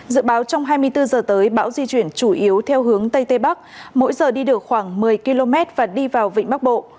dự báo trong hai mươi bốn h tới bão di chuyển chủ yếu theo hướng tây tây bắc mỗi giờ đi được khoảng một mươi km và đi vào vịnh bắc bộ